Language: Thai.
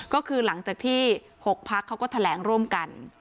ก็คือหลังจากที่๖พักเขาก็แถลงร่วมกัน